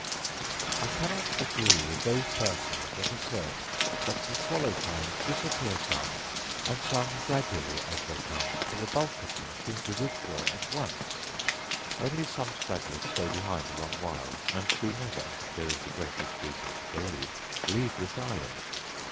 I cannot agree with those persons that assert that the swallow kind disappear some and some gradually, as they come, for the bulk of them seem to withdraw at once: only some stragglers stay behind a long while, and do never, there is the greatest reason to believe, leave this island.